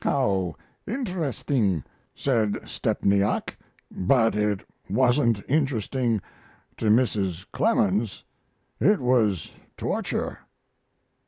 "'How interesting!' said Stepniak. But it wasn't interesting to Mrs. Clemens. It was torture."